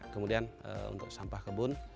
kemudian untuk sampah kebun